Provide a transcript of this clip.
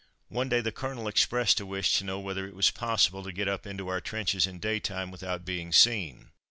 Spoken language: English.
One day the Colonel expressed a wish to know whether it was possible to get up into our trenches in day time without being seen.